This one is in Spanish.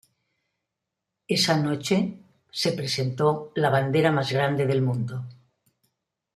Esa noche se presentó la "bandera más grande del mundo".